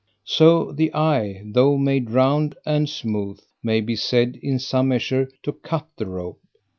So the eye, tho' made round and smooth, may be said in some measure to CUT THE ROPE.